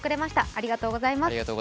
ありがとうございます。